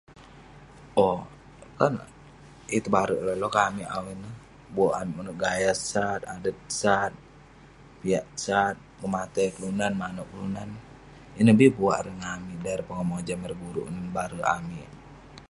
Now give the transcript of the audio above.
Owk, konak. Yeng tebare ireh loh kek amik awu ineh. Buak amik manouk gaya sat, adet sat, piak sat, mematai kelunan, manouk kelunan. Ineh bi buak ireh ngan amik dei mojam ireh pongah mojam ireh guruk ineh nebare amik.